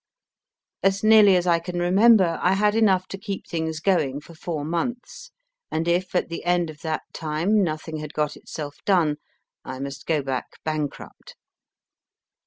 As nearly as I can remember, I had enough to keep things going for four months, and if, at the end of that time, nothing had got itself done, I must go back bankrupt.